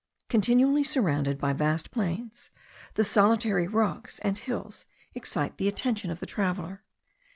Continually surrounded by vast plains, the solitary rocks and hills excite the attention of the traveller.